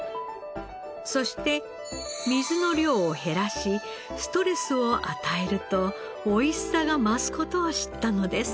そして水の量を減らしストレスを与えると美味しさが増す事を知ったのです。